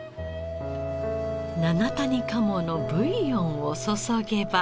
七谷鴨のブイヨンを注げば。